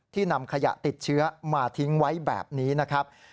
นำขยะติดเชื้อมาทิ้งไว้แบบนี้นะครับ